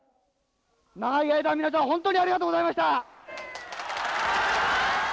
長い間皆さん本当にありがとうございました。